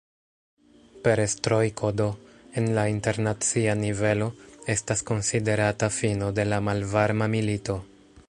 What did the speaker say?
Perestrojko do, en la internacia nivelo, estas konsiderata fino de la Malvarma milito.